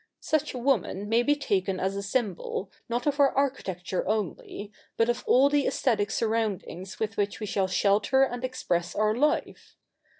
Such a woman may be taken as a symbol not of our architecture only, but of all the aesthetic surroundings with which we shall shelter and express our life.